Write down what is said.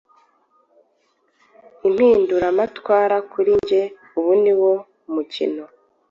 Impinduramatwara kuri njye ubu niwo mukino